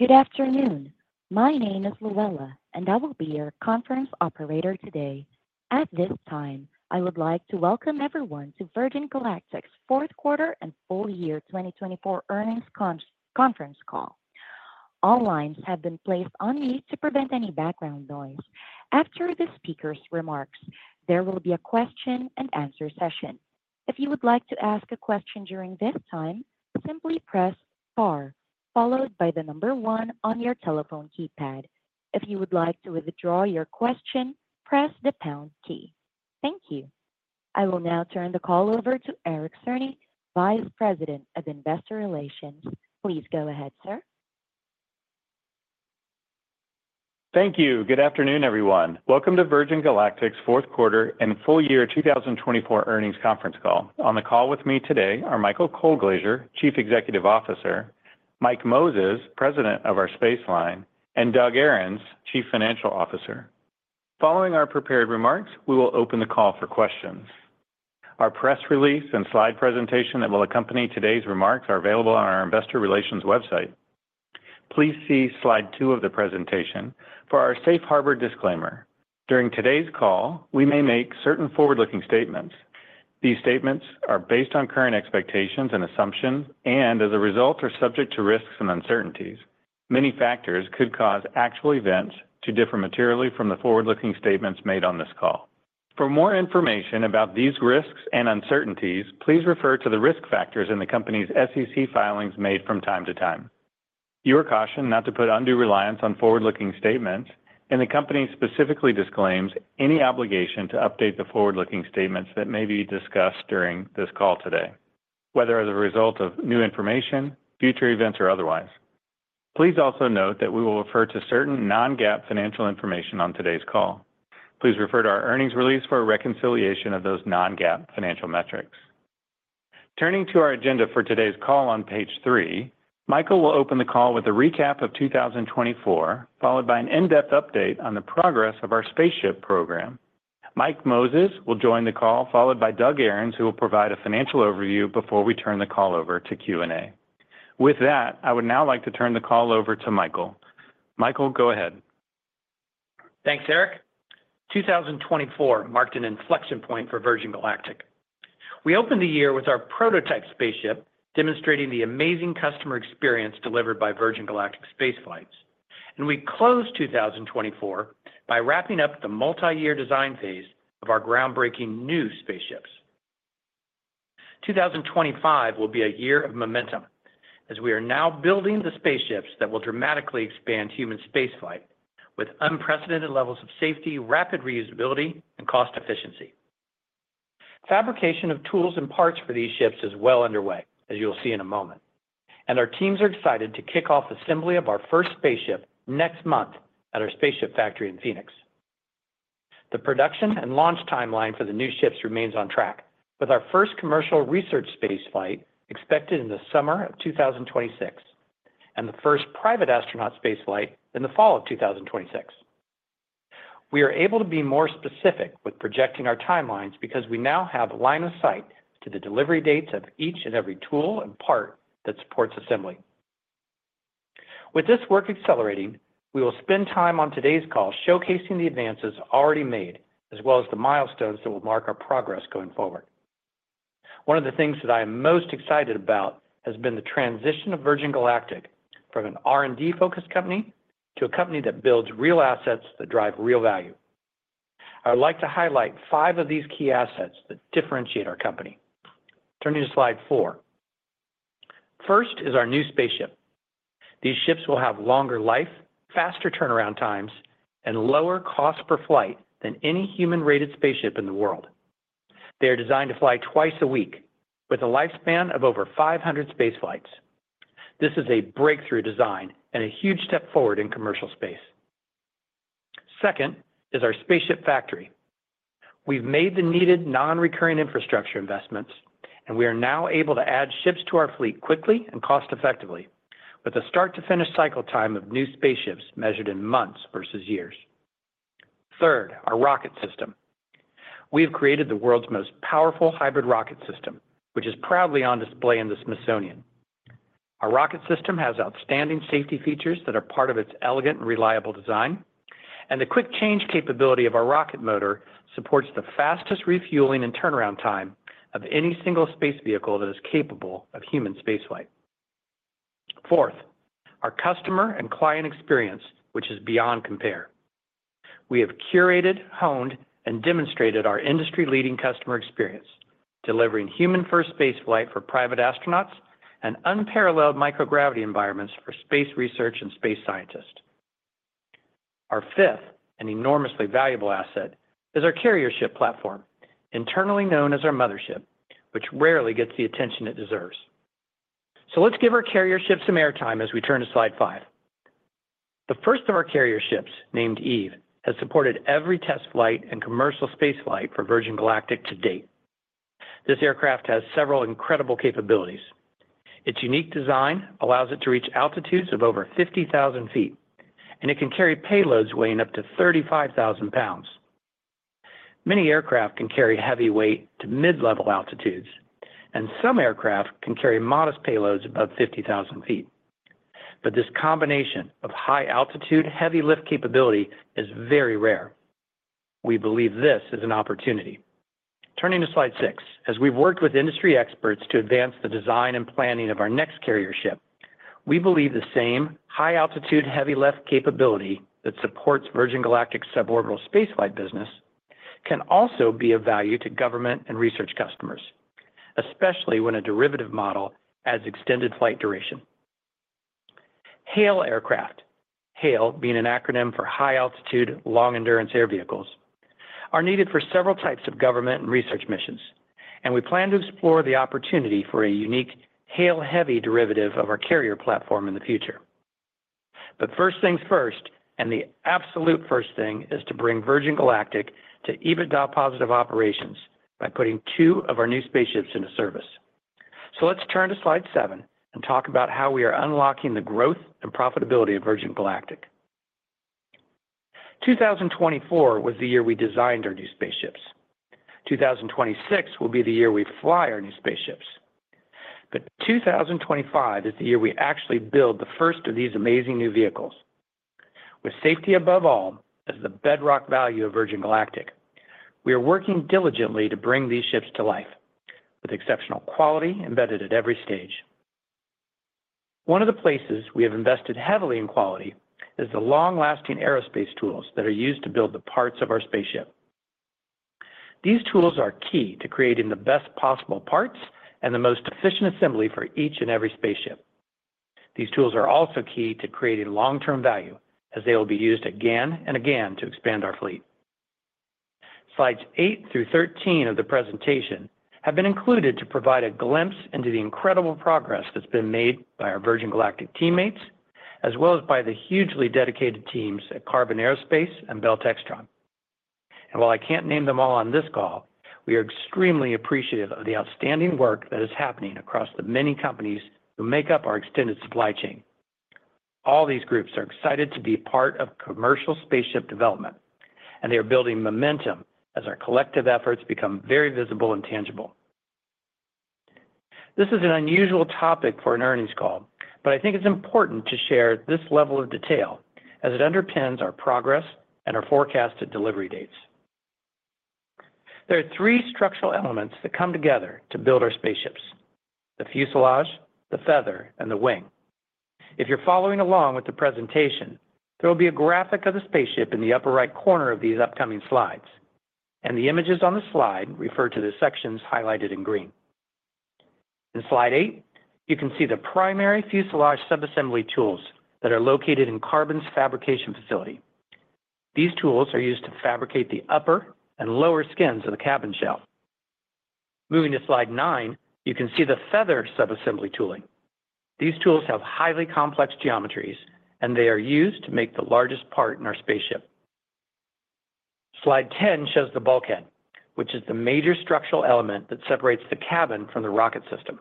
Good afternoon. My name is Louella, and I will be your conference operator today. At this time, I would like to welcome everyone to Virgin Galactic's Fourth Quarter and Full Year 2024 Earnings Conference Call. All lines have been placed on mute to prevent any background noise. After the speaker's remarks, there will be a question-and-answer session. If you would like to ask a question during this time, simply press star, followed by the number one on your telephone keypad. If you would like to withdraw your question, press the pound key. Thank you. I will now turn the call over to Eric Cerny, Vice President of Investor Relations. Please go ahead, sir. Thank you. Good afternoon, everyone. Welcome to Virgin Galactic's Fourth Quarter and Full Year 2024 Earnings Conference Call. On the call with me today are Michael Colglazier, Chief Executive Officer; Mike Moses, President of our Spaceline; and Doug Ahrens, Chief Financial Officer. Following our prepared remarks, we will open the call for questions. Our press release and slide presentation that will accompany today's remarks are available on our Investor Relations website. Please see slide two of the presentation. For our safe harbor disclaimer, during today's call, we may make certain forward-looking statements. These statements are based on current expectations and assumptions and, as a result, are subject to risks and uncertainties. Many factors could cause actual events to differ materially from the forward-looking statements made on this call. For more information about these risks and uncertainties, please refer to the risk factors in the company's SEC filings made from time to time. You are cautioned not to put undue reliance on forward-looking statements, and the company specifically disclaims any obligation to update the forward-looking statements that may be discussed during this call today, whether as a result of new information, future events, or otherwise. Please also note that we will refer to certain non-GAAP financial information on today's call. Please refer to our earnings release for a reconciliation of those non-GAAP financial metrics. Turning to our agenda for today's call on page three, Michael will open the call with a recap of 2024, followed by an in-depth update on the progress of our SpaceShip program. Mike Moses will join the call, followed by Doug Ahrens, who will provide a financial overview before we turn the call over to Q&A. With that, I would now like to turn the call over to Michael. Michael, go ahead. Thanks, Eric. 2024 marked an inflection point for Virgin Galactic. We opened the year with our prototype SpaceShip demonstrating the amazing customer experience delivered by Virgin Galactic Space Flights, and we closed 2024 by wrapping up the multi-year design phase of our groundbreaking new SpaceShip. 2025 will be a year of momentum as we are now building the SpaceShip that will dramatically expand human space flight with unprecedented levels of safety, rapid reusability, and cost efficiency. Fabrication of tools and parts for these ships is well underway, as you'll see in a moment, and our teams are excited to kick off assembly of our first SpaceShip next month at our SpaceShip Factory in Phoenix. The production and launch timeline for the new ships remains on track, with our first commercial research space flight expected in the summer of 2026 and the first private astronaut space flight in the fall of 2026. We are able to be more specific with projecting our timelines because we now have a line of sight to the delivery dates of each and every tool and part that supports assembly. With this work accelerating, we will spend time on today's call showcasing the advances already made, as well as the milestones that will mark our progress going forward. One of the things that I am most excited about has been the transition of Virgin Galactic from an R&D-focused company to a company that builds real assets that drive real value. I would like to highlight five of these key assets that differentiate our company. Turning to slide four. First is our new SpaceShip. These ships will have longer life, faster turnaround times, and lower cost per flight than any human-rated SpaceShip in the world. They are designed to fly twice a week, with a lifespan of over 500 spaceflights. This is a breakthrough design and a huge step forward in commercial space. Second is our SpaceShip Factory. We've made the needed non-recurring infrastructure investments, and we are now able to add ships to our fleet quickly and cost-effectively, with a start-to-finish cycle time of new SpaceShip measured in months versus years. Third, our rocket system. We have created the world's most powerful hybrid rocket system, which is proudly on display in the Smithsonian. Our rocket system has outstanding safety features that are part of its elegant and reliable design, and the quick change capability of our rocket motor supports the fastest refueling and turnaround time of any single space vehicle that is capable of human space flight. Fourth, our customer and client experience, which is beyond compare. We have curated, honed, and demonstrated our industry-leading customer experience, delivering human-first space flight for private astronauts and unparalleled microgravity environments for space research and space scientists. Our fifth, and enormously valuable asset, is our carrier ship platform, internally known as our mothership, which rarely gets the attention it deserves. Let's give our carrier ship some airtime as we turn to slide five. The first of our carrier ships, named Eve, has supported every test flight and commercial space flight for Virgin Galactic to date. This aircraft has several incredible capabilities. Its unique design allows it to reach altitudes of over 50,000 ft, and it can carry payloads weighing up to 35,000 lbs. Many aircraft can carry heavy weight to mid-level altitudes, and some aircraft can carry modest payloads above 50,000 ft. This combination of high altitude, heavy lift capability is very rare. We believe this is an opportunity. Turning to slide six, as we've worked with industry experts to advance the design and planning of our next carrier ship, we believe the same high altitude, heavy lift capability that supports Virgin Galactic's suborbital space flight business can also be of value to government and research customers, especially when a derivative model adds extended flight duration. HALE aircraft, HALE being an acronym for High Altitude Long Endurance air vehicles, are needed for several types of government and research missions, and we plan to explore the opportunity for a unique HALE-heavy derivative of our carrier platform in the future. First things first, and the absolute first thing is to bring Virgin Galactic to EBITDA-positive operations by putting two of our new SpaceShip into service. Let's turn to slide seven and talk about how we are unlocking the growth and profitability of Virgin Galactic. 2024 was the year we designed our new SpaceShip. 2026 will be the year we fly our new SpaceShip. 2025 is the year we actually build the first of these amazing new vehicles. With safety above all as the bedrock value of Virgin Galactic, we are working diligently to bring these ships to life with exceptional quality embedded at every stage. One of the places we have invested heavily in quality is the long-lasting aerospace tools that are used to build the parts of our SpaceShip. These tools are key to creating the best possible parts and the most efficient assembly for each and every SpaceShip. These tools are also key to creating long-term value as they will be used again and again to expand our fleet. Slides eight through thirteen of the presentation have been included to provide a glimpse into the incredible progress that's been made by our Virgin Galactic teammates, as well as by the hugely dedicated teams at Qarbon Aerospace and Bell Textron. While I can't name them all on this call, we are extremely appreciative of the outstanding work that is happening across the many companies who make up our extended supply chain. All these groups are excited to be part of commercial SpaceShip development, and they are building momentum as our collective efforts become very visible and tangible. This is an unusual topic for an earnings call, but I think it's important to share this level of detail as it underpins our progress and our forecasted delivery dates. There are three structural elements that come together to build our SpaceShip: the fuselage, the feather, and the wing. If you're following along with the presentation, there will be a graphic of the SpaceShip in the upper right corner of these upcoming slides, and the images on the slide refer to the sections highlighted in green. In slide eight, you can see the primary fuselage sub-assembly tools that are located in Qarbon's fabrication facility. These tools are used to fabricate the upper and lower skins of the cabin shell. Moving to slide nine, you can see the feather sub-assembly tooling. These tools have highly complex geometries, and they are used to make the largest part in our SpaceShip. Slide ten shows the bulkhead, which is the major structural element that separates the cabin from the rocket system.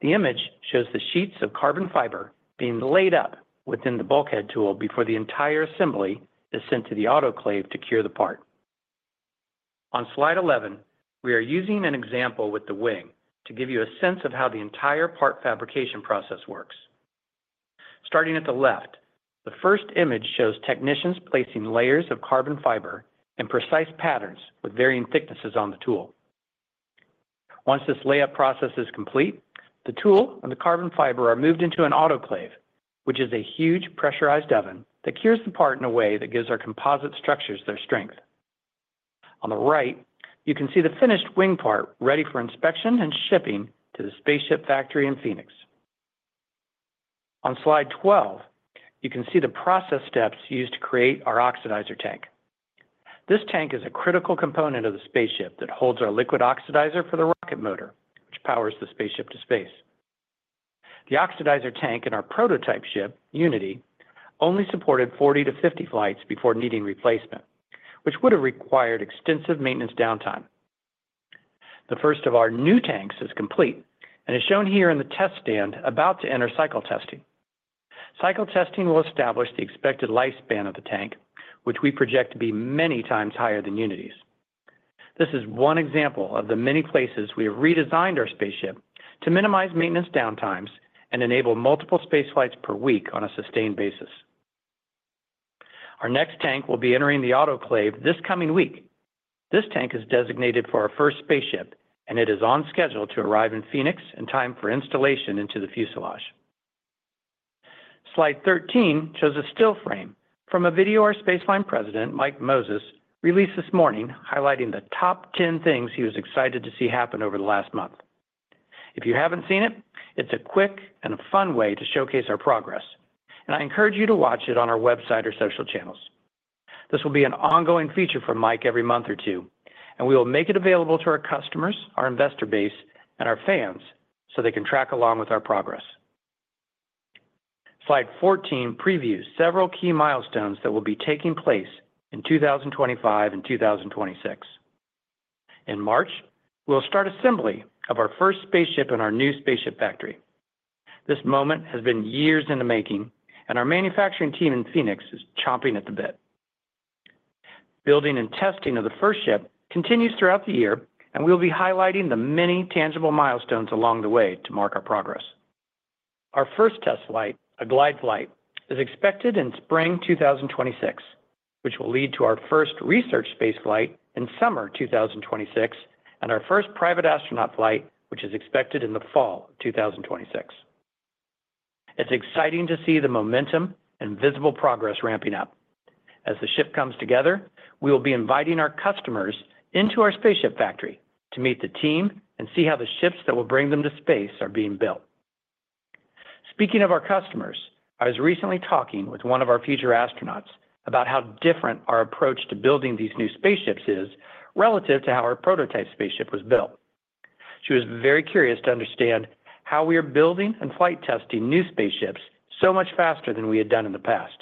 The image shows the sheets of carbon fiber being laid up within the bulkhead tool before the entire assembly is sent to the autoclave to cure the part. On slide eleven, we are using an example with the wing to give you a sense of how the entire part fabrication process works. Starting at the left, the first image shows technicians placing layers of carbon fiber in precise patterns with varying thicknesses on the tool. Once this layup process is complete, the tool and the carbon fiber are moved into an autoclave, which is a huge pressurized oven that cures the part in a way that gives our composite structures their strength. On the right, you can see the finished wing part ready for inspection and shipping to the SpaceShip Factory in Phoenix. On slide twelve, you can see the process steps used to create our oxidizer tank. This tank is a critical component of the SpaceShip that holds our liquid oxidizer for the rocket motor, which powers the SpaceShip to space. The oxidizer tank in our prototype ship, Unity, only supported 40-50 flights before needing replacement, which would have required extensive maintenance downtime. The first of our new tanks is complete and is shown here in the test stand, about to enter cycle testing. Cycle testing will establish the expected lifespan of the tank, which we project to be many times higher than Unity's. This is one example of the many places we have redesigned our SpaceShip to minimize maintenance downtimes and enable multiple spaceflights per week on a sustained basis. Our next tank will be entering the autoclave this coming week. This tank is designated for our first SpaceShip, and it is on schedule to arrive in Phoenix in time for installation into the fuselage. Slide thirteen shows a still frame from a video our Spaceline President, Mike Moses, released this morning, highlighting the top ten things he was excited to see happen over the last month. If you haven't seen it, it's a quick and a fun way to showcase our progress, and I encourage you to watch it on our website or social channels. This will be an ongoing feature for Mike every month or two, and we will make it available to our customers, our investor base, and our fans so they can track along with our progress. Slide fourteen previews several key milestones that will be taking place in 2025 and 2026. In March, we'll start assembly of our first SpaceShip in our new SpaceShip Factory. This moment has been years in the making, and our manufacturing team in Phoenix is chomping at the bit. Building and testing of the first ship continues throughout the year, and we'll be highlighting the many tangible milestones along the way to mark our progress. Our first test flight, a glide flight, is expected in spring 2026, which will lead to our first research space flight in summer 2026, and our first private astronaut flight, which is expected in the fall of 2026. It's exciting to see the momentum and visible progress ramping up. As the ship comes together, we will be inviting our customers into our SpaceShip Factory to meet the team and see how the ships that will bring them to space are being built. Speaking of our customers, I was recently talking with one of our future astronauts about how different our approach to building these new SpaceShip is relative to how our prototype SpaceShip was built. She was very curious to understand how we are building and flight testing new SpaceShip so much faster than we had done in the past.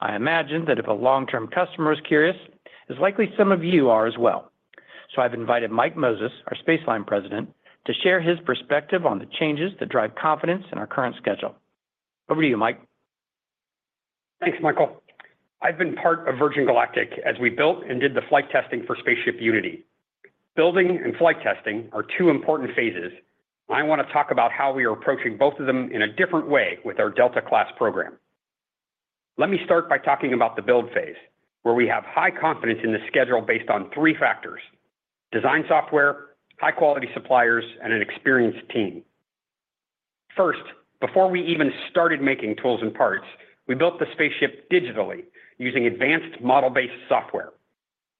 I imagine that if a long-term customer is curious, as likely some of you are as well. I have invited Mike Moses, our Spaceline President, to share his perspective on the changes that drive confidence in our current schedule. Over to you, Mike. Thanks, Michael. I've been part of Virgin Galactic as we built and did the flight testing for SpaceShip Unity. Building and flight testing are two important phases. I want to talk about how we are approaching both of them in a different way with our Delta-class program. Let me start by talking about the build phase, where we have high confidence in the schedule based on three factors: design software, high-quality suppliers, and an experienced team. First, before we even started making tools and parts, we built the SpaceShip digitally using advanced model-based software.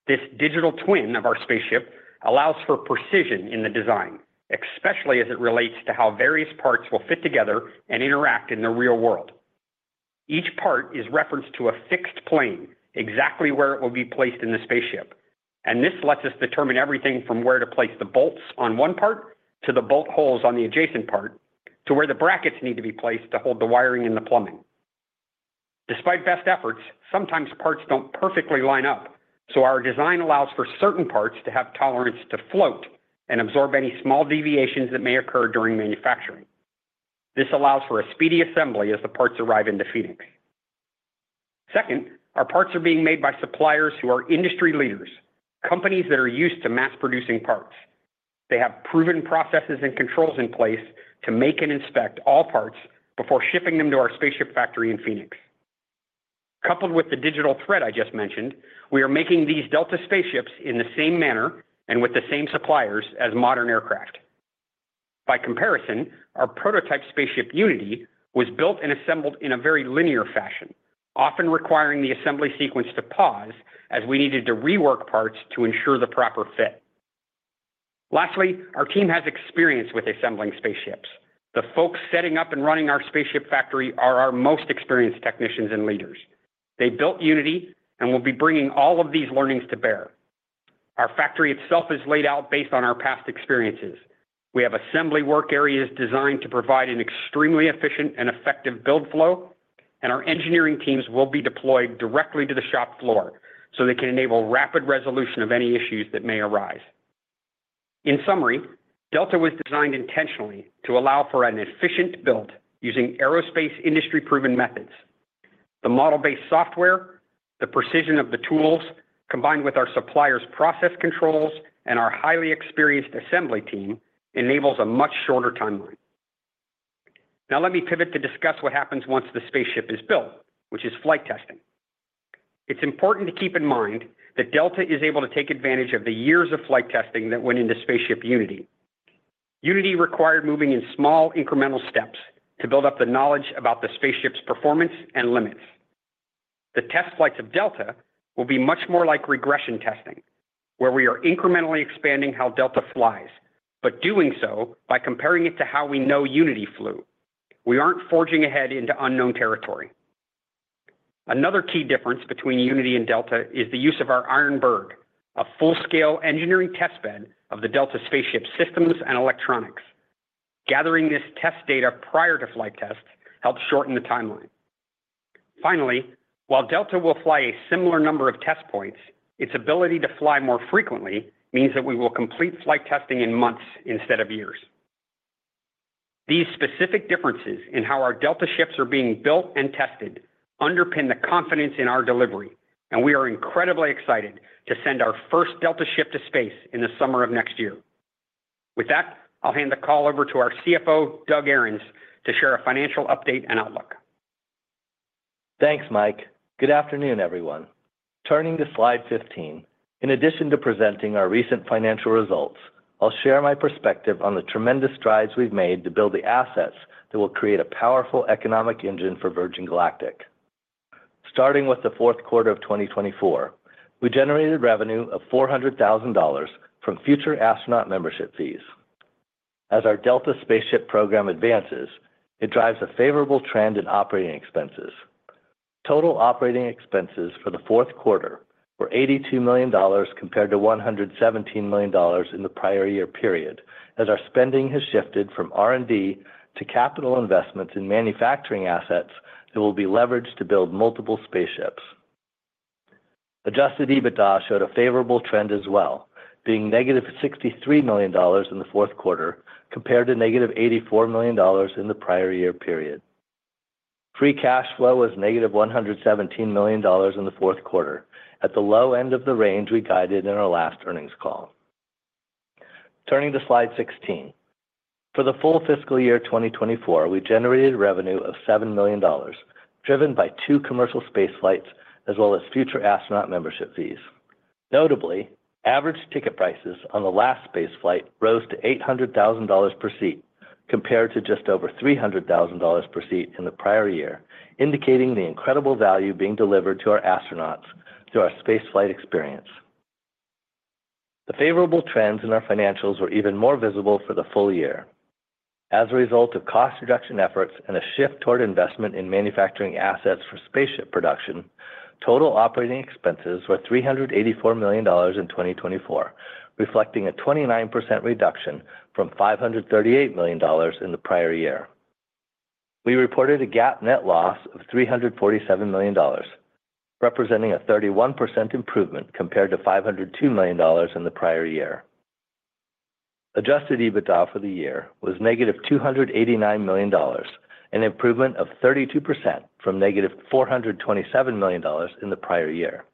This digital twin of our SpaceShip allows for precision in the design, especially as it relates to how various parts will fit together and interact in the real world. Each part is referenced to a fixed plane exactly where it will be placed in the SpaceShip, and this lets us determine everything from where to place the bolts on one part to the bolt holes on the adjacent part to where the brackets need to be placed to hold the wiring and the plumbing. Despite best efforts, sometimes parts do not perfectly line up, so our design allows for certain parts to have tolerance to float and absorb any small deviations that may occur during manufacturing. This allows for a speedy assembly as the parts arrive into Phoenix. Second, our parts are being made by suppliers who are industry leaders, companies that are used to mass-producing parts. They have proven processes and controls in place to make and inspect all parts before shipping them to our SpaceShip Factory in Phoenix. Coupled with the digital thread I just mentioned, we are making these Delta SpaceShips in the same manner and with the same suppliers as modern aircraft. By comparison, our prototype SpaceShip, Unity, was built and assembled in a very linear fashion, often requiring the assembly sequence to pause as we needed to rework parts to ensure the proper fit. Lastly, our team has experience with assembling SpaceShip. The folks setting up and running our SpaceShip Factory are our most experienced technicians and leaders. They built Unity and will be bringing all of these learnings to bear. Our factory itself is laid out based on our past experiences. We have assembly work areas designed to provide an extremely efficient and effective build flow, and our engineering teams will be deployed directly to the shop floor so they can enable rapid resolution of any issues that may arise. In summary, Delta was designed intentionally to allow for an efficient build using aerospace industry-proven methods. The model-based software, the precision of the tools, combined with our suppliers' process controls and our highly experienced assembly team, enables a much shorter timeline. Now let me pivot to discuss what happens once the SpaceShip is built, which is flight testing. It's important to keep in mind that Delta is able to take advantage of the years of flight testing that went into SpaceShip Unity. Unity required moving in small incremental steps to build up the knowledge about the SpaceShip's performance and limits. The test flights of Delta will be much more like regression testing, where we are incrementally expanding how Delta flies, but doing so by comparing it to how we know Unity flew. We aren't forging ahead into unknown territory. Another key difference between Unity and Delta is the use of our Iron Bird, a full-scale engineering test bed of the Delta SpaceShip systems and electronics. Gathering this test data prior to flight tests helps shorten the timeline. Finally, while Delta will fly a similar number of test points, its ability to fly more frequently means that we will complete flight testing in months instead of years. These specific differences in how our Delta ships are being built and tested underpin the confidence in our delivery, and we are incredibly excited to send our first Delta ship to space in the summer of next year. With that, I'll hand the call over to our CFO, Doug Ahrens, to share a financial update and outlook. Thanks, Mike. Good afternoon, everyone. Turning to slide fifteen, in addition to presenting our recent financial results, I'll share my perspective on the tremendous strides we've made to build the assets that will create a powerful economic engine for Virgin Galactic. Starting with the fourth quarter of 2024, we generated revenue of $400,000 from future astronaut membership fees. As our Delta SpaceShip program advances, it drives a favorable trend in operating expenses. Total operating expenses for the fourth quarter were $82 million compared to $117 million in the prior year period, as our spending has shifted from R&D to capital investments in manufacturing assets that will be leveraged to build multiple SpaceShip. Adjusted EBITDA showed a favorable trend as well, being -$63 million in the fourth quarter compared to -$84 million in the prior year period. Free cash flow was -$117 million in the fourth quarter, at the low end of the range we guided in our last earnings call. Turning to slide sixteen, for the full fiscal year 2024, we generated revenue of $7 million, driven by two commercial spaceflights as well as future astronaut membership fees. Notably, average ticket prices on the last space flight rose to $800,000 per seat compared to just over $300,000 per seat in the prior year, indicating the incredible value being delivered to our astronauts through our space flight experience. The favorable trends in our financials were even more visible for the full year. As a result of cost reduction efforts and a shift toward investment in manufacturing assets for SpaceShip production, total operating expenses were $384 million in 2024, reflecting a 29% reduction from $538 million in the prior year. We reported a GAAP net loss of $347 million, representing a 31% improvement compared to $502 million in the prior year. Adjusted EBITDA for the year was -$289 million, an improvement of 32% from -$427 million in the prior year.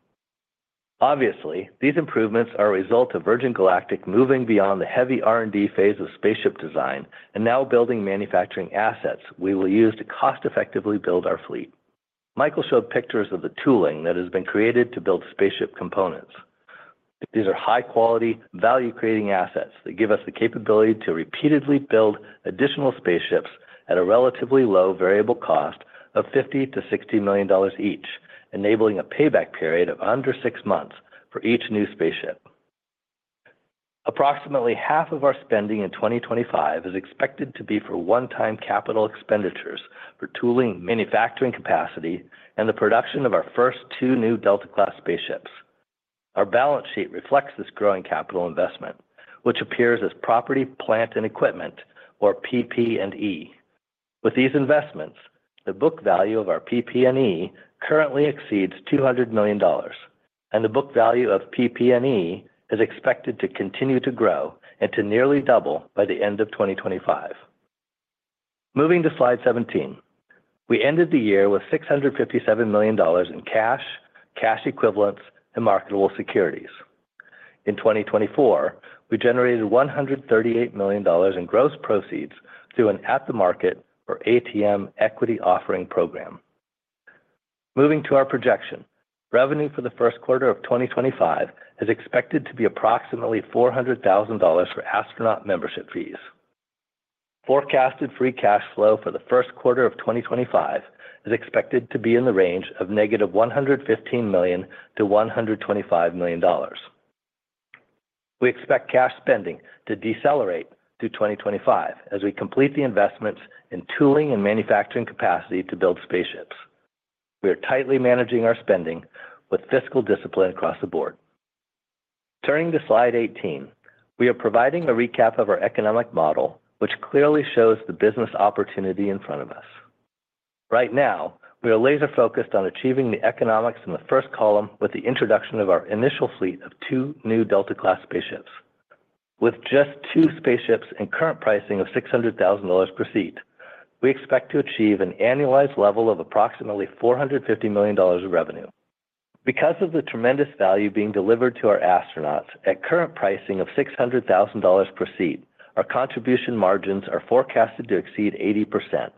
Obviously, these improvements are a result of Virgin Galactic moving beyond the heavy R&D phase of SpaceShip design and now building manufacturing assets we will use to cost-effectively build our fleet. Michael showed pictures of the tooling that has been created to build SpaceShip components. These are high-quality, value-creating assets that give us the capability to repeatedly build additional SpaceShip at a relatively low variable cost of $50 million-$60 million each, enabling a payback period of under six months for each new SpaceShip. Approximately half of our spending in 2025 is expected to be for one-time capital expenditures for tooling, manufacturing capacity, and the production of our first two new Delta-class SpaceShip. Our balance sheet reflects this growing capital investment, which appears as Property, Plant, and Equipment, or PP&E. With these investments, the book value of our PP&E currently exceeds $200 million, and the book value of PP&E is expected to continue to grow and to nearly double by the end of 2025. Moving to slide seventeen, we ended the year with $657 million in cash, cash equivalents, and marketable securities. In 2024, we generated $138 million in gross proceeds through an at-the-market, or ATM, equity offering program. Moving to our projection, revenue for the first quarter of 2025 is expected to be approximately $400,000 for astronaut membership fees. Forecasted free cash flow for the first quarter of 2025 is expected to be in the range of negative $115 million-$125 million. We expect cash spending to decelerate through 2025 as we complete the investments in tooling and manufacturing capacity to build SpaceShip. We are tightly managing our spending with fiscal discipline across the board. Turning to slide eighteen, we are providing a recap of our economic model, which clearly shows the business opportunity in front of us. Right now, we are laser-focused on achieving the economics in the first column with the introduction of our initial fleet of two new Delta-class SpaceShip. With just two SpaceShip and current pricing of $600,000 per seat, we expect to achieve an annualized level of approximately $450 million of revenue. Because of the tremendous value being delivered to our astronauts at current pricing of $600,000 per seat, our contribution margins are forecasted to exceed 80%,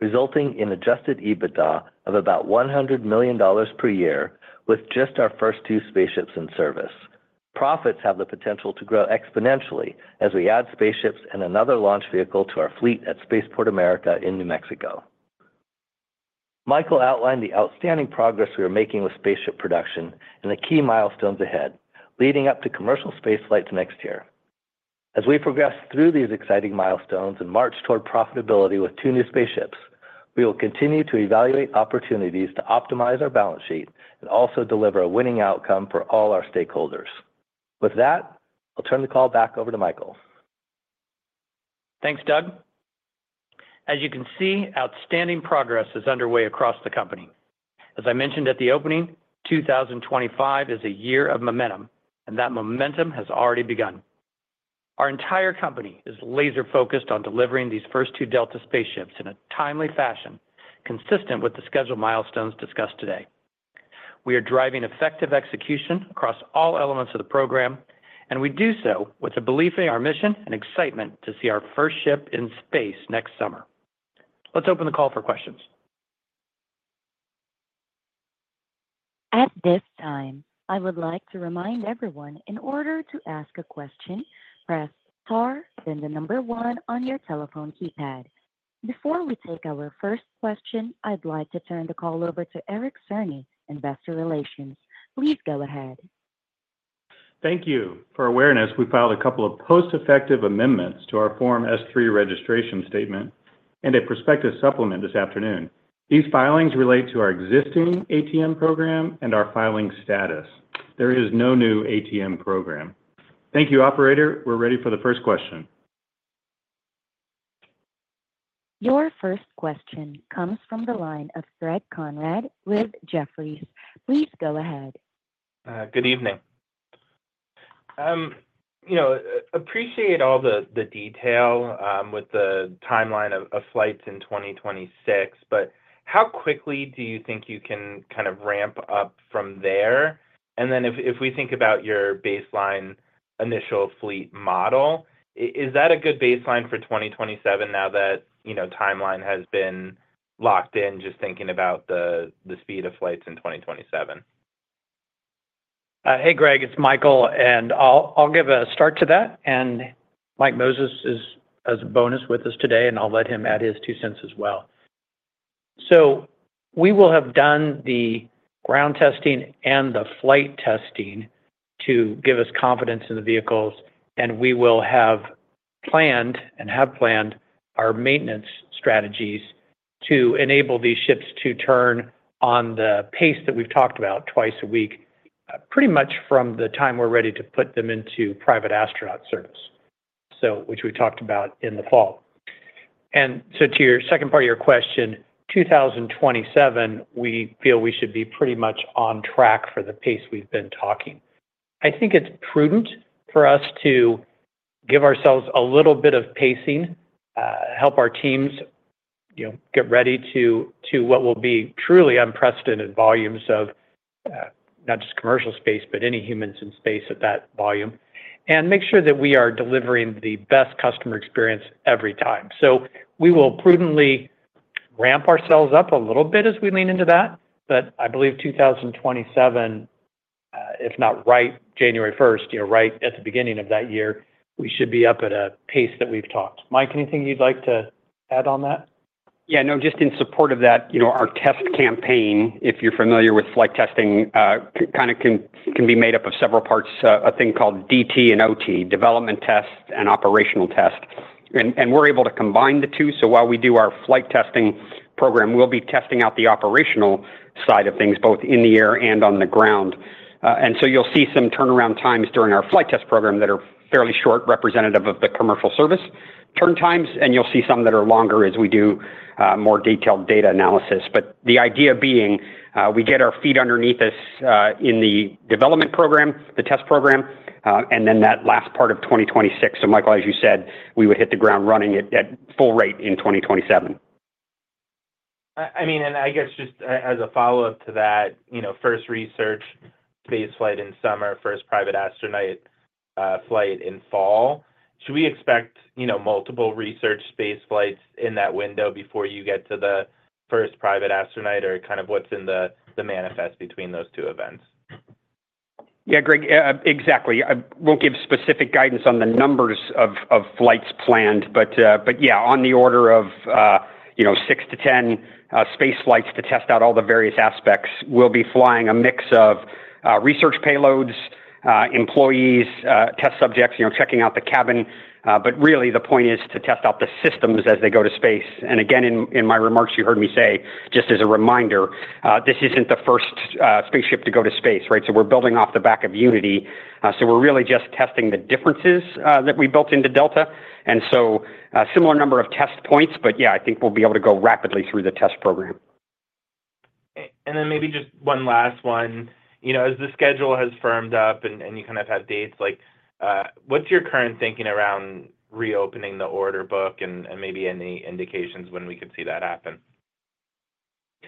resulting in adjusted EBITDA of about $100 million per year with just our first two SpaceShip in service. Profits have the potential to grow exponentially as we add SpaceShip and another launch vehicle to our fleet at Spaceport America in New Mexico. Michael outlined the outstanding progress we are making with SpaceShip production and the key milestones ahead, leading up to commercial spaceflights next year. As we progress through these exciting milestones and march toward profitability with two new SpaceShip, we will continue to evaluate opportunities to optimize our balance sheet and also deliver a winning outcome for all our stakeholders. With that, I'll turn the call back over to Michael. Thanks, Doug. As you can see, outstanding progress is underway across the company. As I mentioned at the opening, 2025 is a year of momentum, and that momentum has already begun. Our entire company is laser-focused on delivering these first two Delta SpaceShip in a timely fashion, consistent with the scheduled milestones discussed today. We are driving effective execution across all elements of the program, and we do so with a belief in our mission and excitement to see our first ship in space next summer. Let's open the call for questions. At this time, I would like to remind everyone in order to ask a question, press star then the number one on your telephone keypad. Before we take our first question, I'd like to turn the call over to Eric Cerny, Investor Relations. Please go ahead. Thank you. For awareness, we filed a couple of post-effective amendments to our Form S-3 registration statement and a prospectus supplement this afternoon. These filings relate to our existing ATM program and our filing status. There is no new ATM program. Thank you, operator. We're ready for the first question. Your first question comes from the line of Greg Konrad with Jefferies. Please go ahead. Good evening. You know, appreciate all the detail with the timeline of flights in 2026, but how quickly do you think you can kind of ramp up from there? And then if we think about your baseline initial fleet model, is that a good baseline for 2027 now that, you know, timeline has been locked in, just thinking about the speed of flights in 2027? Hey, Greg, it's Michael, and I'll give a start to that. And Mike Moses is as a bonus with us today, and I'll let him add his two cents as well. We will have done the ground testing and the flight testing to give us confidence in the vehicles, and we will have planned and have planned our maintenance strategies to enable these ships to turn on the pace that we've talked about twice a week, pretty much from the time we're ready to put them into private astronaut service, which we talked about in the fall. To your second part of your question, 2027, we feel we should be pretty much on track for the pace we've been talking. I think it's prudent for us to give ourselves a little bit of pacing, help our teams, you know, get ready to what will be truly unprecedented volumes of not just commercial space, but any humans in space at that volume, and make sure that we are delivering the best customer experience every time. We will prudently ramp ourselves up a little bit as we lean into that, but I believe 2027, if not right, January 1st, you know, right at the beginning of that year, we should be up at a pace that we've talked. Mike, anything you'd like to add on that? Yeah, no, just in support of that, you know, our test campaign, if you're familiar with flight testing, kind of can be made up of several parts, a thing called DT and OT, development test and operational test. We're able to combine the two. While we do our flight-testing program, we'll be testing out the operational side of things, both in the air and on the ground. You'll see some turnaround times during our flight test program that are fairly short, representative of the commercial service turn times, and you'll see some that are longer as we do more detailed data analysis. The idea being, we get our feet underneath us in the development program, the test program, and then that last part of 2026. Michael, as you said, we would hit the ground running at full rate in 2027. I mean, and I guess just as a follow-up to that, you know, first research space flight in summer, first private astronaut flight in fall, should we expect, you know, multiple research spaceflights in that window before you get to the first private astronaut or kind of what's in the manifest between those two events? Yeah, Greg, exactly. I won't give specific guidance on the numbers of flights planned, but yeah, on the order of, you know, six to ten spaceflights to test out all the various aspects. We'll be flying a mix of research payloads, employees, test subjects, you know, checking out the cabin. Really, the point is to test out the systems as they go to space. Again, in my remarks, you heard me say, just as a reminder, this isn't the first SpaceShip to go to space, right? We're building off the back of Unity. We're really just testing the differences that we built into Delta. A similar number of test points, but yeah, I think we'll be able to go rapidly through the test program. Maybe just one last one, you know, as the schedule has firmed up and you kind of have dates, like what's your current thinking around reopening the order book and maybe any indications when we could see that happen?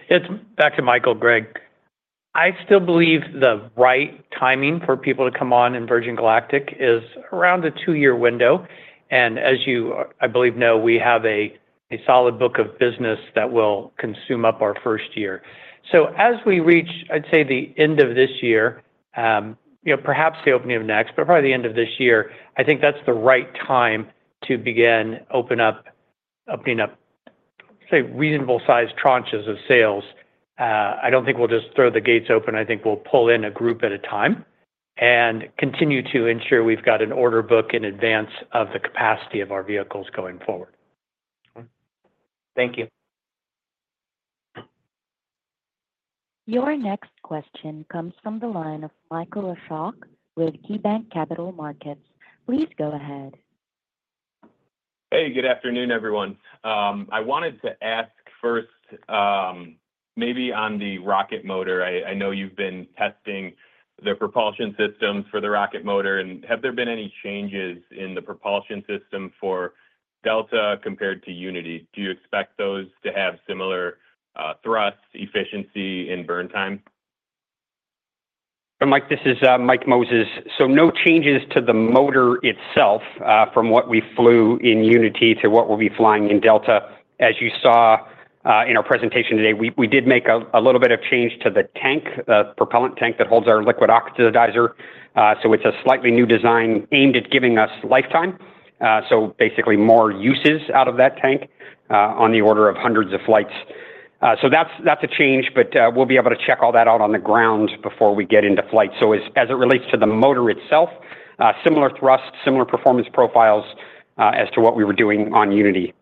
It's back to Michael, Greg. I still believe the right timing for people to come on in Virgin Galactic is around a two-year window. And as you, I believe, know, we have a solid book of business that will consume up our first year. As we reach, I'd say the end of this year, you know, perhaps the opening of next, but probably the end of this year, I think that's the right time to begin opening up, opening up, say, reasonable size tranches of sales. I don't think we'll just throw the gates open. I think we'll pull in a group at a time and continue to ensure we've got an order book in advance of the capacity of our vehicles going forward. Thank you. Your next question comes from the line of Michael Leshock with KeyBanc Capital Markets. Please go ahead. Hey, good afternoon, everyone. I wanted to ask first, maybe on the rocket motor, I know you've been testing the propulsion systems for the rocket motor, and have there been any changes in the propulsion system for Delta compared to Unity? Do you expect those to have similar thrust, efficiency, and burn time? Mike, this is Mike Moses. No changes to the motor itself from what we flew in Unity to what we'll be flying in Delta. As you saw in our presentation today, we did make a little bit of change to the tank, the propellant tank that holds our liquid oxidizer. It is a slightly new design aimed at giving us lifetime, so basically more uses out of that tank on the order of hundreds of flights. That is a change, but we will be able to check all that out on the ground before we get into flight. As it relates to the motor itself, similar thrust, similar performance profiles as to what we were doing on Unity.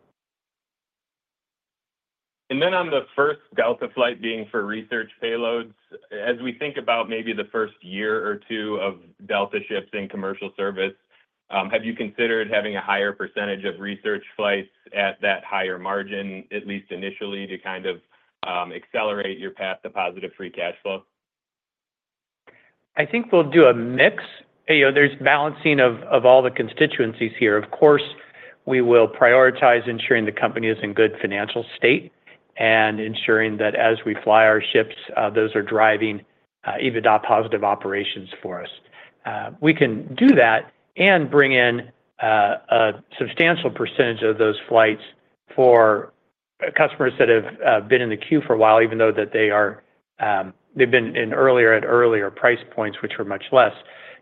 On the first Delta flight being for research payloads, as we think about maybe the first year or two of Delta ships in commercial service, have you considered having a higher percentage of research flights at that higher margin, at least initially, to kind of accelerate your path to positive free cash flow? I think we'll do a mix. You know, there's balancing of all the constituencies here. Of course, we will prioritize ensuring the company is in good financial state and ensuring that as we fly our ships, those are driving EBITDA positive operations for us. We can do that and bring in a substantial percentage of those flights for customers that have been in the queue for a while, even though they've been in earlier and earlier price points, which were much less.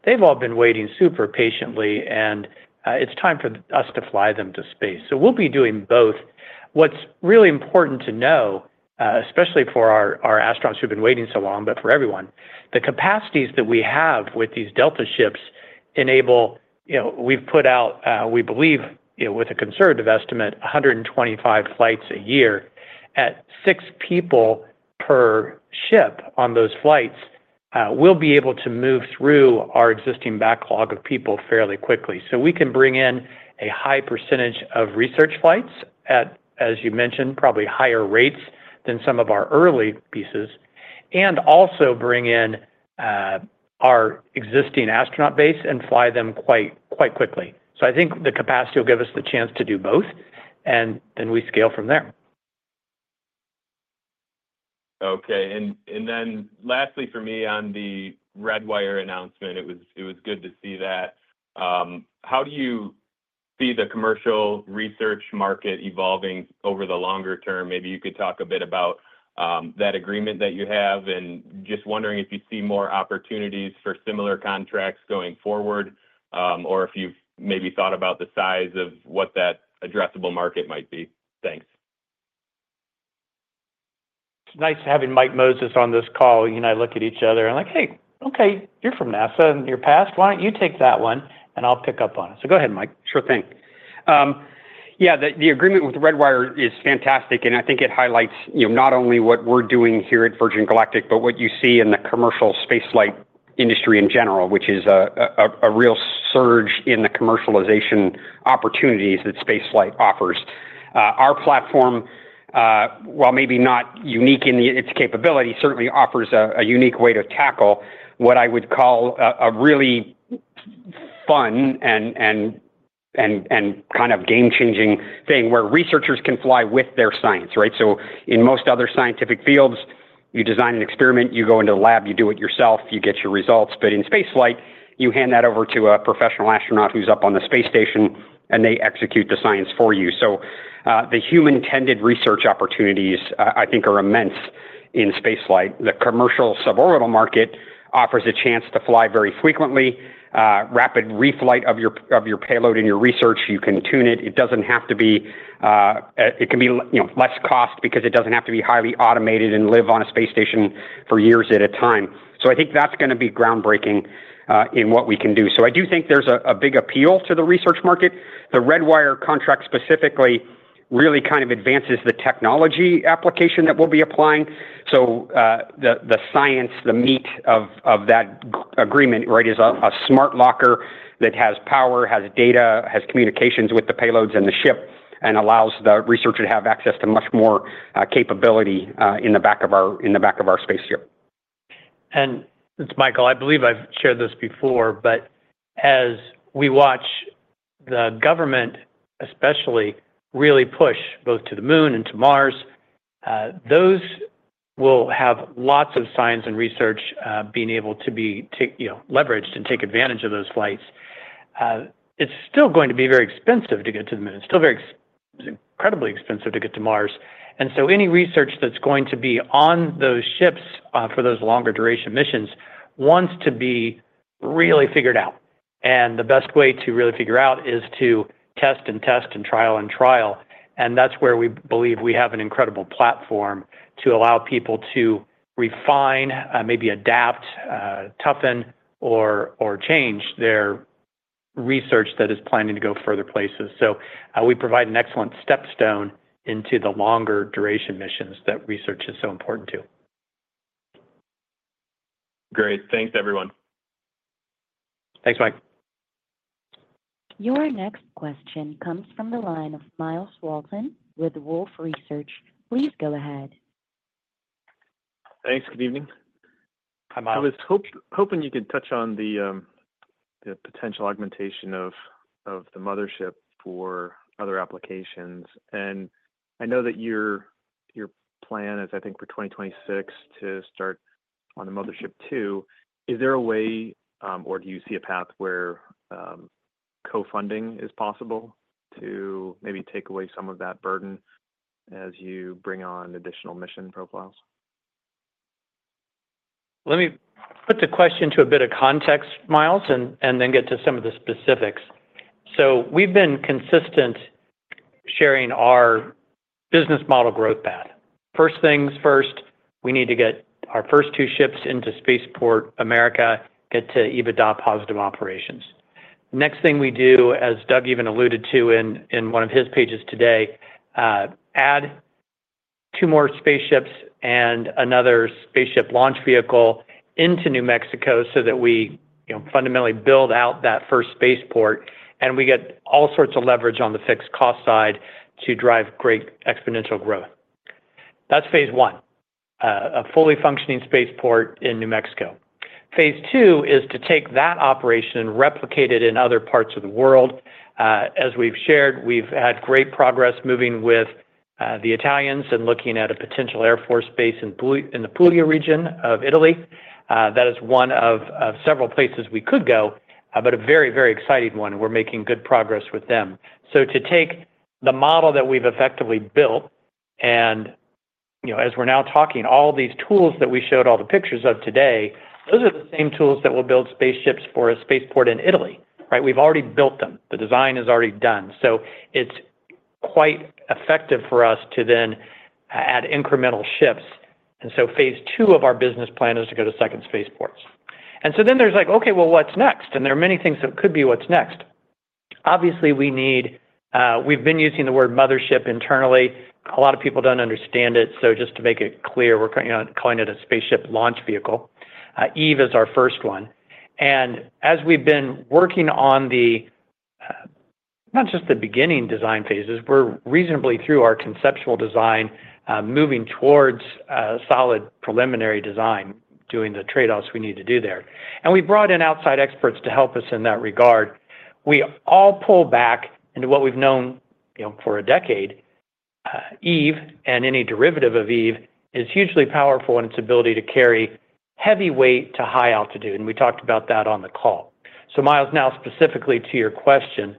They've all been waiting super patiently, and it's time for us to fly them to space. We'll be doing both. What's really important to know, especially for our astronauts who've been waiting so long, but for everyone, the capacities that we have with these Delta ships enable, you know, we've put out, we believe, you know, with a conservative estimate, 125 flights a year at six people per ship on those flights. We'll be able to move through our existing backlog of people fairly quickly. We can bring in a high percentage of research flights at, as you mentioned, probably higher rates than some of our early pieces, and also bring in our existing astronaut base and fly them quite quickly. I think the capacity will give us the chance to do both, and then we scale from there. Okay. Lastly, for me, on the Redwire announcement, it was good to see that. How do you see the commercial research market evolving over the longer term? Maybe you could talk a bit about that agreement that you have and just wondering if you see more opportunities for similar contracts going forward or if you've maybe thought about the size of what that addressable market might be. Thanks. It's nice having Mike Moses on this call. You and I look at each other. I'm like, "Hey, okay, you're from NASA and you're past. Why don't you take that one and I'll pick up on it?" Go ahead, Mike. Sure thing. Yeah, the agreement with Redwire is fantastic, and I think it highlights, you know, not only what we're doing here at Virgin Galactic, but what you see in the commercial space flight industry in general, which is a real surge in the commercialization opportunities that space flight offers. Our platform, while maybe not unique in its capability, certainly offers a unique way to tackle what I would call a really fun and kind of game-changing thing where researchers can fly with their science, right? In most other scientific fields, you design an experiment, you go into the lab, you do it yourself, you get your results, but in space flight, you hand that over to a professional astronaut who's up on the space station and they execute the science for you. The human-tended research opportunities, I think, are immense in space flight. The commercial suborbital market offers a chance to fly very frequently, rapid reflight of your payload and your research. You can tune it. It does not have to be—it can be less cost because it does not have to be highly automated and live on a space station for years at a time. I think that's going to be groundbreaking in what we can do. I do think there's a big appeal to the research market. The Redwire contract specifically really kind of advances the technology application that we'll be applying. The science, the meat of that agreement, right, is a smart locker that has power, has data, has communications with the payloads and the ship, and allows the researcher to have access to much more capability in the back of our SpaceShip. It's Michael, I believe I've shared this before, but as we watch the government, especially, really push both to the moon and to Mars, those will have lots of science and research being able to be, you know, leveraged and take advantage of those flights. It's still going to be very expensive to get to the moon. It's still very, it's incredibly expensive to get to Mars. Any research that is going to be on those ships for those longer duration missions wants to be really figured out. The best way to really figure out is to test and test and trial and trial. That is where we believe we have an incredible platform to allow people to refine, maybe adapt, toughen, or change their research that is planning to go further places. We provide an excellent stepstone into the longer duration missions that research is so important to. Great. Thanks, everyone. Thanks, Mike. Your next question comes from the line of Myles Walton with Wolfe Research. Please go ahead. Thanks. Good evening. Hi, Myles. I was hoping you could touch on the potential augmentation of the mothership for other applications. I know that your plan is, I think, for 2026 to start on the mothership too. Is there a way, or do you see a path where co-funding is possible to maybe take away some of that burden as you bring on additional mission profiles? Let me put the question to a bit of context, Myles, and then get to some of the specifics. We have been consistent sharing our business model growth path. First things first, we need to get our first two ships into Spaceport America, get to EBITDA positive operations. Next thing we do, as Doug even alluded to in one of his pages today, add two more SpaceShip and another SpaceShip launch vehicle into New Mexico so that we, you know, fundamentally build out that first spaceport, and we get all sorts of leverage on the fixed cost side to drive great exponential growth. That is phase one, a fully functioning spaceport in New Mexico. Phase two is to take that operation and replicate it in other parts of the world. As we've shared, we've had great progress moving with the Italians and looking at a potential air force base in the Puglia region of Italy. That is one of several places we could go, but a very, very exciting one, and we're making good progress with them. To take the model that we've effectively built and, you know, as we're now talking, all these tools that we showed all the pictures of today, those are the same tools that will build SpaceShip for a spaceport in Italy, right? We've already built them. The design is already done. It is quite effective for us to then add incremental ships. Phase II of our business plan is to go to second spaceports. Then there's like, okay, what's next? There are many things that could be what's next. Obviously, we need—we've been using the word mothership internally. A lot of people don't understand it. To make it clear, we're calling it a SpaceShip launch vehicle. Eve is our first one. As we've been working on the—not just the beginning design phases, we're reasonably through our conceptual design, moving towards a solid preliminary design, doing the trade-offs we need to do there. We brought in outside experts to help us in that regard. We all pull back into what we've known, you know, for a decade. Eve and any derivative of Eve is hugely powerful in its ability to carry heavy weight to high altitude. We talked about that on the call. Myles, now specifically to your question,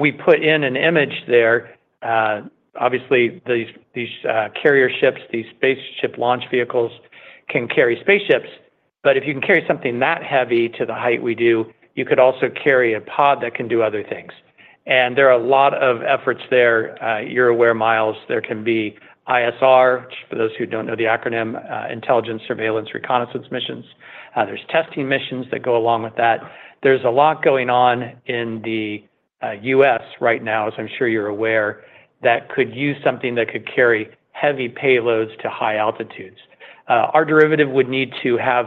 we put in an image there. Obviously, these carrier ships, these SpaceShip launch vehicles can carry SpaceShip, but if you can carry something that heavy to the height we do, you could also carry a pod that can do other things. There are a lot of efforts there. You're aware, Myles, there can be ISR, for those who do not know the acronym, Intelligence Surveillance Reconnaissance Missions. There are testing missions that go along with that. There is a lot going on in the U.S. right now, as I'm sure you're aware, that could use something that could carry heavy payloads to high altitudes. Our derivative would need to have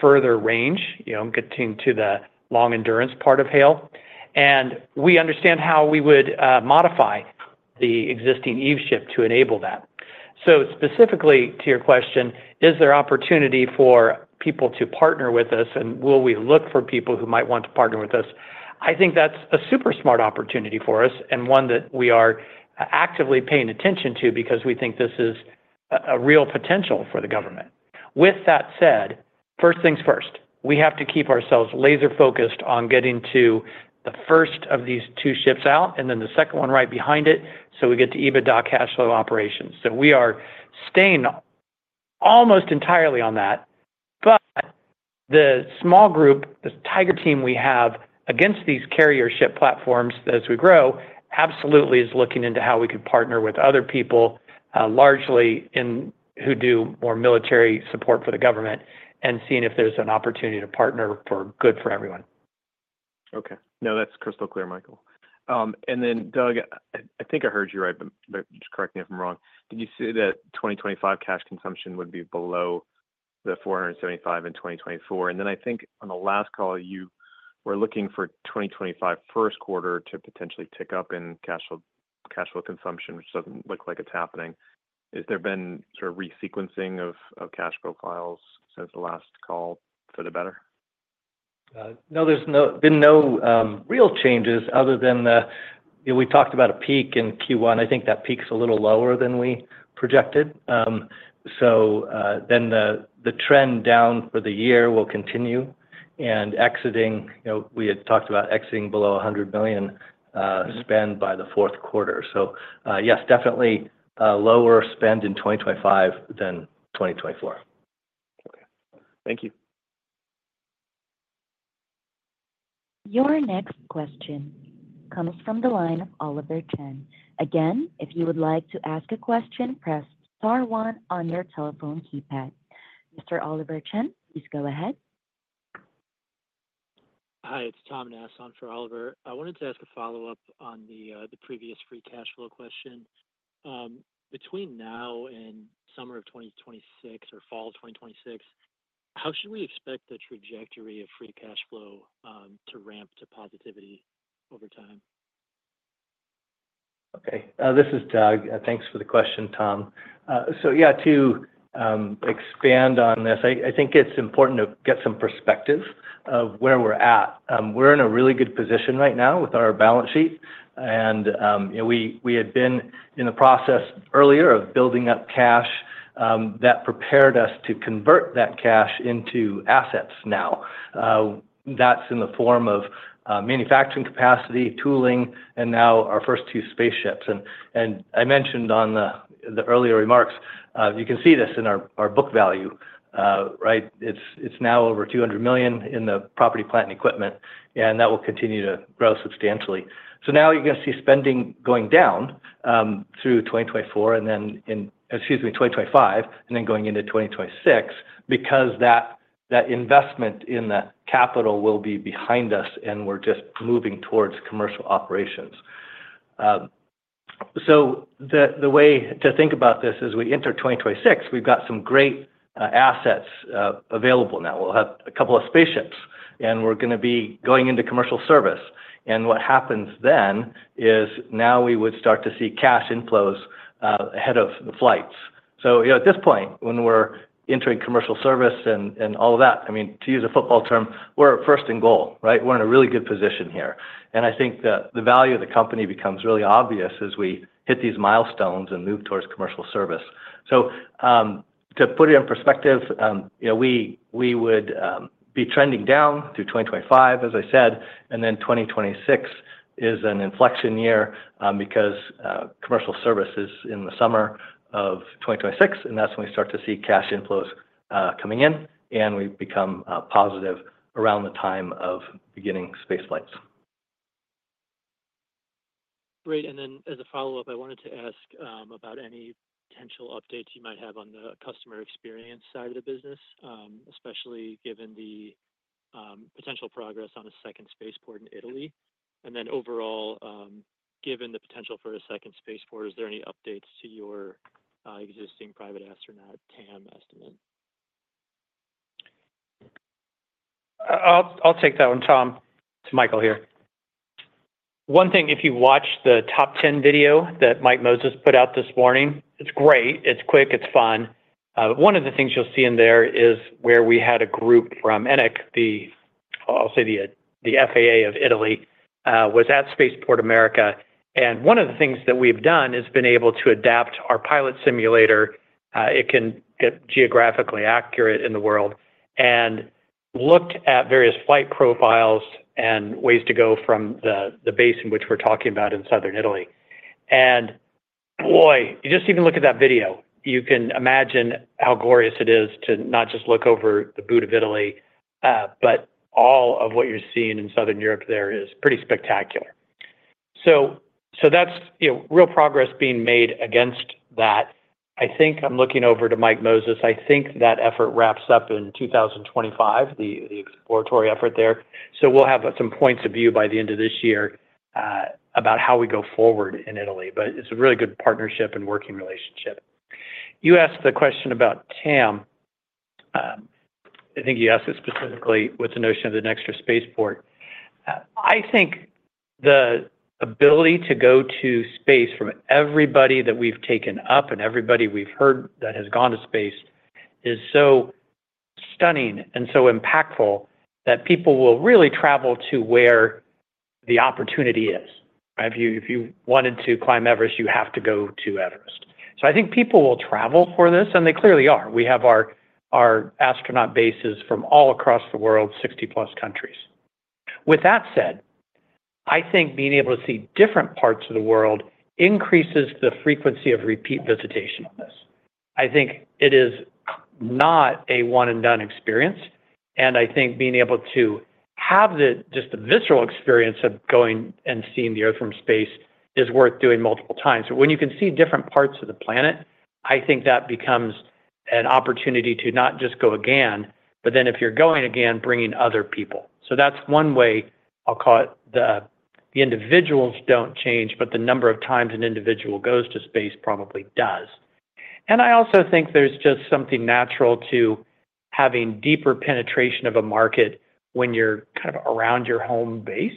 further range, you know, getting to the long endurance part of HALE. We understand how we would modify the existing Eve ship to enable that. Specifically to your question, is there opportunity for people to partner with us, and will we look for people who might want to partner with us? I think that's a super smart opportunity for us and one that we are actively paying attention to because we think this is a real potential for the government. With that said, first things first, we have to keep ourselves laser-focused on getting to the first of these two ships out and then the second one right behind it so we get to EBITDA cash flow operations. We are staying almost entirely on that, but the small group, the tiger team we have against these carrier ship platforms as we grow, absolutely is looking into how we could partner with other people, largely in who do more military support for the government and seeing if there's an opportunity to partner for good for everyone. Okay. No, that's crystal clear, Michael. Doug, I think I heard you right, but just correct me if I'm wrong. Did you say that 2025 cash consumption would be below the $475 in 2024? I think on the last call, you were looking for 2025 first quarter to potentially tick up in cash flow consumption, which doesn't look like it's happening. Has there been sort of re-sequencing of cash profiles since the last call for the better? No, there's been no real changes other than the, you know, we talked about a peak in Q1. I think that peak's a little lower than we projected. The trend down for the year will continue. Exiting, you know, we had talked about exiting below $100 million spend by the fourth quarter. Yes, definitely lower spend in 2025 than 2024. Okay. Thank you. Your next question comes from the line of Oliver Chen. Again, if you would like to ask a question, press star one on your telephone keypad. Mr. Oliver Chen, please go ahead. Hi, it's Tom Nass on for Oliver. I wanted to ask a follow-up on the previous free cash flow question. Between now and summer of 2026 or fall of 2026, how should we expect the trajectory of free cash flow to ramp to positivity over time? Okay. This is Doug. Thanks for the question, Tom. Yeah, to expand on this, I think it's important to get some perspective of where we're at. We're in a really good position right now with our balance sheet. You know, we had been in the process earlier of building up cash that prepared us to convert that cash into assets now. That's in the form of manufacturing capacity, tooling, and now our first two SpaceShip. I mentioned on the earlier remarks, you can see this in our book value, right? It's now over $200 million in the property, plant, and equipment, and that will continue to grow substantially. Now you're going to see spending going down through 2024 and then, excuse me, 2025, and then going into 2026 because that investment in that capital will be behind us and we're just moving towards commercial operations. The way to think about this is we enter 2026, we've got some great assets available now. We'll have a couple of SpaceShip and we're going to be going into commercial service. What happens then is now we would start to see cash inflows ahead of the flights. You know, at this point, when we're entering commercial service and all of that, I mean, to use a football term, we're first in goal, right? We're in a really good position here. I think that the value of the company becomes really obvious as we hit these milestones and move towards commercial service. To put it in perspective, you know, we would be trending down through 2025, as I said, and then 2026 is an inflection year because commercial service is in the summer of 2026, and that's when we start to see cash inflows coming in and we become positive around the time of beginning spaceflights. Great. As a follow-up, I wanted to ask about any potential updates you might have on the customer experience side of the business, especially given the potential progress on a second spaceport in Italy. Overall, given the potential for a second spaceport, is there any updates to your existing private astronaut TAM estimate? I'll take that one, Tom. It's Michael here. One thing, if you watch the top 10 video that Mike Moses put out this morning, it's great. It's quick. It's fun. One of the things you'll see in there is where we had a group from ENAC, the, I'll say the FAA of Italy, was at Spaceport America. One of the things that we've done is been able to adapt our pilot simulator. It can get geographically accurate in the world and looked at various flight profiles and ways to go from the base in which we're talking about in southern Italy. You just even look at that video, you can imagine how glorious it is to not just look over the boot of Italy, but all of what you're seeing in southern Europe there is pretty spectacular. That's, you know, real progress being made against that. I think I'm looking over to Mike Moses. I think that effort wraps up in 2025, the exploratory effort there. We'll have some points of view by the end of this year about how we go forward in Italy, but it's a really good partnership and working relationship. You asked the question about TAM. I think you asked it specifically with the notion of the next spaceport. I think the ability to go to space from everybody that we've taken up and everybody we've heard that has gone to space is so stunning and so impactful that people will really travel to where the opportunity is. If you wanted to climb Everest, you have to go to Everest. I think people will travel for this, and they clearly are. We have our astronaut bases from all across the world, 60+ countries. With that said, I think being able to see different parts of the world increases the frequency of repeat visitation on this. I think it is not a one-and-done experience. I think being able to have just the visceral experience of going and seeing the Earth from space is worth doing multiple times. When you can see different parts of the planet, I think that becomes an opportunity to not just go again, but then if you're going again, bringing other people. That is one way I'll call it. The individuals do not change, but the number of times an individual goes to space probably does. I also think there is just something natural to having deeper penetration of a market when you're kind of around your home base.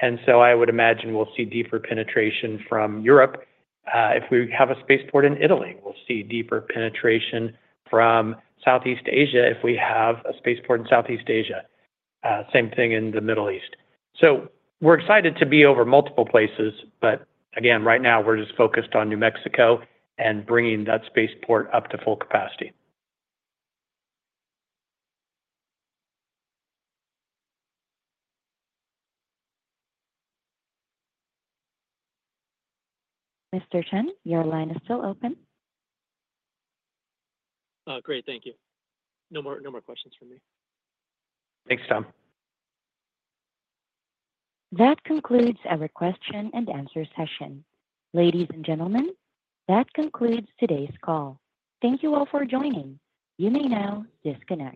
I would imagine we'll see deeper penetration from Europe if we have a spaceport in Italy. We'll see deeper penetration from Southeast Asia if we have a spaceport in Southeast Asia. Same thing in the Middle East. We're excited to be over multiple places, but again, right now we're just focused on New Mexico and bringing that spaceport up to full capacity. Mr. Chen, your line is still open. Great. Thank you. No more questions from me. Thanks, Tom. That concludes our question-and-answer session. Ladies and gentlemen, that concludes today's call. Thank you all for joining. You may now disconnect.